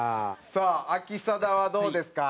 さあ秋定はどうですか？